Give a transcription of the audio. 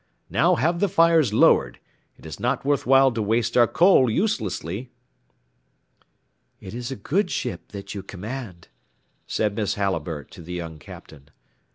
Now have the fires lowered; it is not worth while to waste our coal uselessly." "It is a good ship that you command," said Miss Halliburtt to the young Captain.